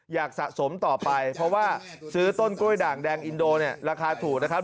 สะสมต่อไปเพราะว่าซื้อต้นกล้วยด่างแดงอินโดเนี่ยราคาถูกนะครับ